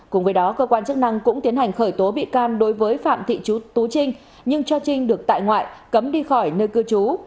cùng với đó cơ quan chức năng cũng tiến hành khởi tố bị can đối với phạm thị tú trinh nhưng cho trinh được tại ngoại cấm đi khỏi nơi cư trú